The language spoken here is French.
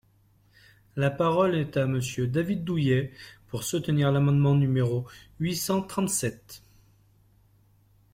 La parole est à Monsieur David Douillet, pour soutenir l’amendement numéro huit cent trente-sept.